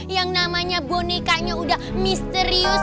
yang namanya bonekanya udah misterius